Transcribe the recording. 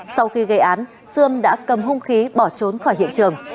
sau khi gây án sươm đã cầm hung khí bỏ trốn khỏi hiện trường